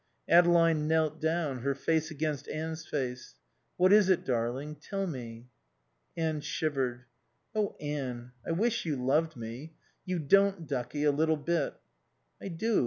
Adeline knelt down, her face against Anne's face. "What is it darling? Tell me." Anne shivered. "Oh Anne, I wish you loved me. You don't, ducky, a little bit." "I do.